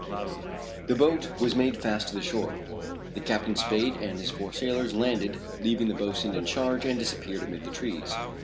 The boat was made fast to the shore. Then Captain Spade and his four sailors landed, leaving the boatswain in charge, and disappeared amid the trees.